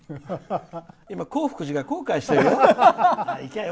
今、興福寺が後悔してるよ。